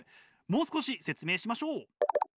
もう少し説明しましょう。